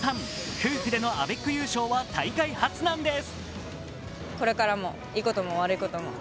夫婦でのアベック優勝は大会初なんです。